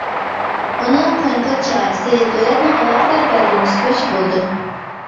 ئۇنىڭ كونكرېت چارىسى دۆلەتنىڭ ئالاقىدار بەلگىلىمىسى بويىچە بولىدۇ.